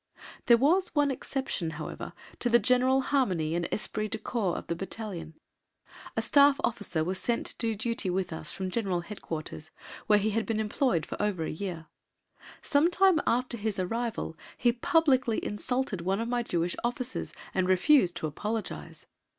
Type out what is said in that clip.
There was one exception, however, to the general harmony and esprit de corps of the battalion. A Staff officer was sent to do duty with us from G.H.Q., where he had been employed for over a year. Some time after his arrival he publicly insulted one of my Jewish officers and refused to apologise.